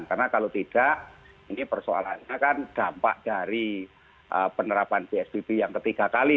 karena kalau tidak ini persoalannya kan dampak dari penerapan psbb yang ketiga kali